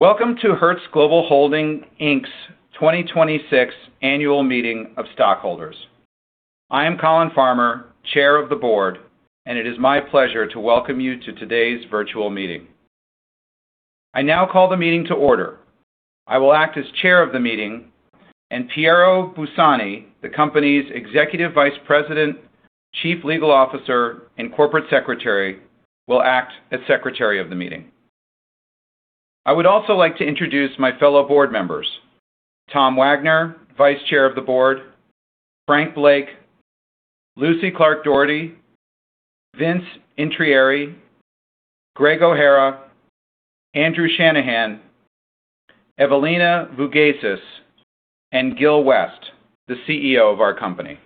Welcome to Hertz Global Holdings, Inc. 2026 annual meeting of stockholders. I am Colin Farmer, Chair of the Board, and it is my pleasure to welcome you to today's virtual meeting. I now call the meeting to order. I will act as Chair of the meeting, and Piero Bussani, the company's Executive Vice President, Chief Legal Officer, and Corporate Secretary, will act as Secretary of the meeting. I would also like to introduce my fellow Board members, Tom Wagner, Vice Chair of the Board, Frank Blake, Lucy Clark Dougherty, Vincent Intrieri, Michael Gregory O'Hara, Andrew Shannahan, Evelina Vougessis Machas, and Gil West, the CEO of our company.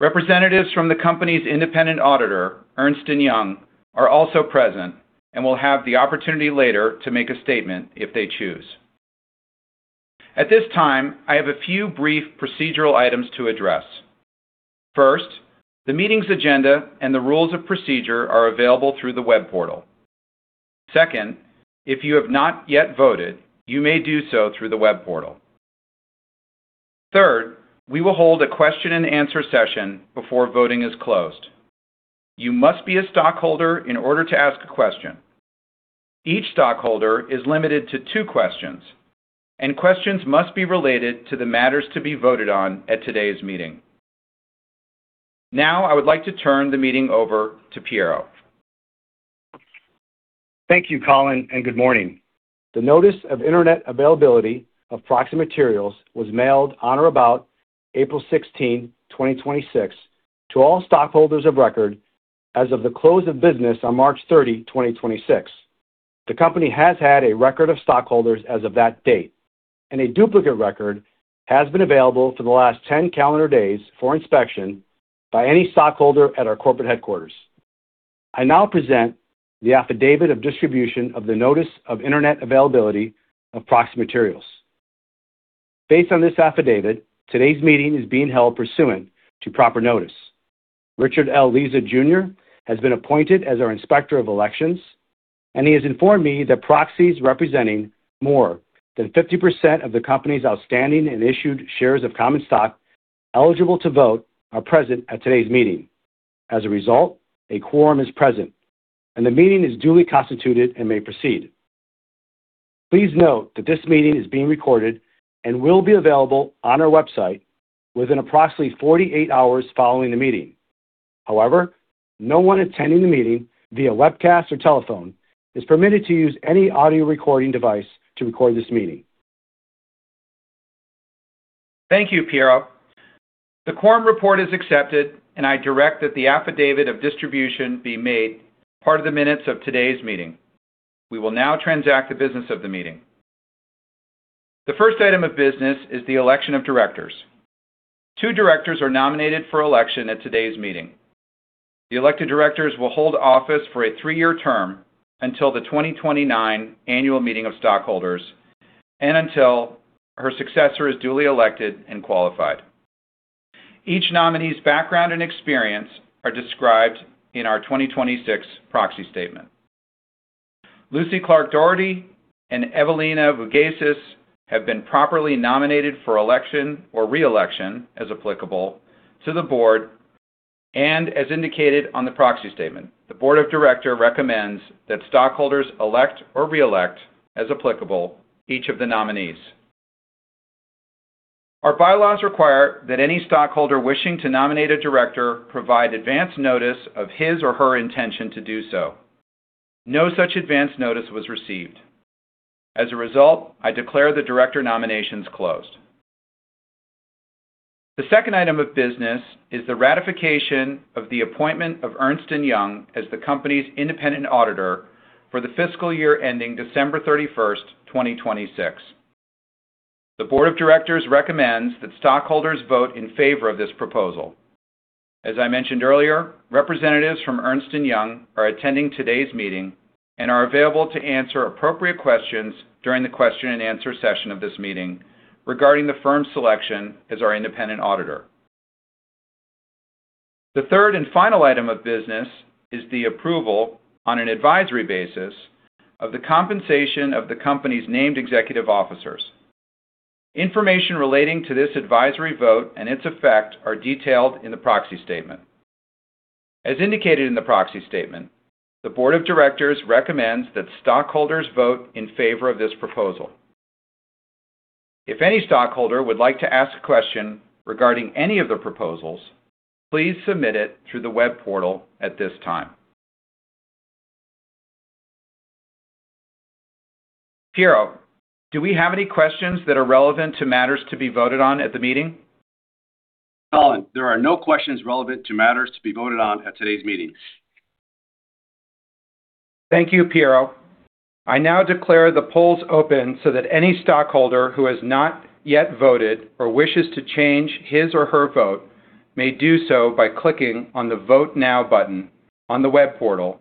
Representatives from the company's independent auditor, Ernst & Young, are also present and will have the opportunity later to make a statement if they choose. At this time, I have a few brief procedural items to address. First, the meeting's agenda and the rules of procedure are available through the web portal. Second, if you have not yet voted, you may do so through the web portal. Third, we will hold a question-and-answer session before voting is closed. You must be a stockholder in order to ask a question. Each stockholder is limited to two questions, and questions must be related to the matters to be voted on at today's meeting. Now, I would like to turn the meeting over to Piero. Thank you, Colin, and good morning. The notice of internet availability of proxy materials was mailed on or about April 16th, 2026, to all stockholders of record as of the close of business on March 30, 2026. The company has had a record of stockholders as of that date, and a duplicate record has been available for the last 10 calendar days for inspection by any stockholder at our corporate headquarters. I now present the affidavit of distribution of the notice of internet availability of proxy materials. Based on this affidavit, today's meeting is being held pursuant to proper notice. Richard L. Leza Jr. has been appointed as our Inspector of Elections, and he has informed me that proxies representing more than 50% of the company's outstanding and issued shares of common stock eligible to vote are present at today's meeting. As a result, a quorum is present, and the meeting is duly constituted and may proceed. Please note that this meeting is being recorded and will be available on our website within approximately 48 hours following the meeting. However, no one attending the meeting via webcast or telephone is permitted to use any audio recording device to record this meeting. Thank you, Piero. The quorum report is accepted, and I direct that the affidavit of distribution be made part of the minutes of today's meeting. We will now transact the business of the meeting. The first item of business is the election of directors. Two directors are nominated for election at today's meeting. The elected directors will hold office for a three-year term until the 2029 annual meeting of stockholders and until her successor is duly elected and qualified. Each nominee's background and experience are described in our 2026 proxy statement. Lucy Clark Dougherty and Evelina Vougessis have been properly nominated for election or re-election, as applicable, to the Board, and as indicated on the proxy statement. The Board of Directors recommends that stockholders elect or re-elect, as applicable, each of the nominees. Our bylaws require that any stockholder wishing to nominate a director provide advance notice of his or her intention to do so. No such advance notice was received. As a result, I declare the director nominations closed. The second item of business is the ratification of the appointment of Ernst & Young as the company's independent auditor for the fiscal year ending December 31st, 2026. The board of directors recommends that stockholders vote in favor of this proposal. As I mentioned earlier, representatives from Ernst & Young are attending today's meeting and are available to answer appropriate questions during the question-and-answer session of this meeting regarding the firm's selection as our independent auditor. The third and final item of business is the approval on an advisory basis of the compensation of the company's named executive officers. Information relating to this advisory vote and its effect are detailed in the proxy statement. As indicated in the proxy statement, the board of directors recommends that stockholders vote in favor of this proposal. If any stockholder would like to ask a question regarding any of the proposals, please submit it through the web portal at this time. Piero, do we have any questions that are relevant to matters to be voted on at the meeting? Colin, there are no questions relevant to matters to be voted on at today's meeting. Thank you, Piero. I now declare the polls open so that any stockholder who has not yet voted or wishes to change his or her vote may do so by clicking on the Vote Now button on the web portal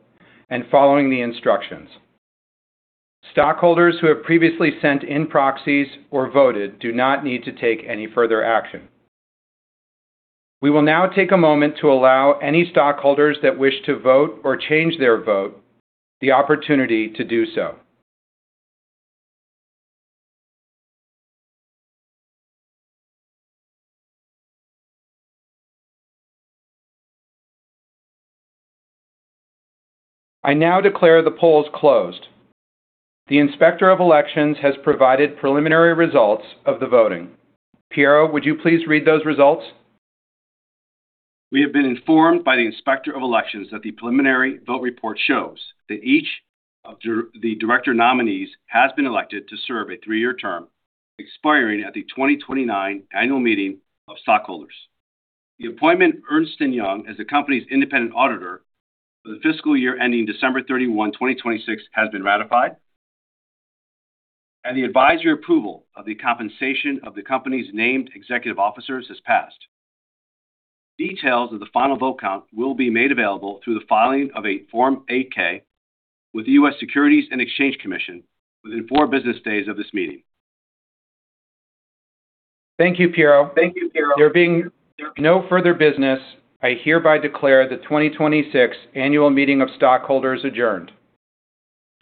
and following the instructions. Stockholders who have previously sent in proxies or voted do not need to take any further action. We will now take a moment to allow any stockholders that wish to vote or change their vote the opportunity to do so. I now declare the polls closed. The Inspector of Elections has provided preliminary results of the voting. Piero, would you please read those results? We have been informed by the Inspector of Elections that the preliminary vote report shows that each of the director nominees has been elected to serve a three-year term expiring at the 2029 annual meeting of stockholders. The appointment of Ernst & Young as the company's independent auditor for the fiscal year ending December 31, 2026, has been ratified, and the advisory approval of the compensation of the company's named executive officers has passed. Details of the final vote count will be made available through the filing of a Form 8-K with the U.S. Securities and Exchange Commission within four business days of this meeting. Thank you, Piero. There being no further business, I hereby declare the 2026 annual meeting of stockholders adjourned.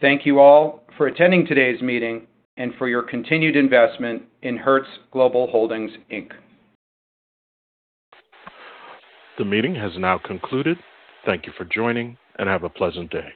Thank you all for attending today's meeting and for your continued investment in Hertz Global Holdings, Inc. The meeting has now concluded. Thank you for joining, and have a pleasant day.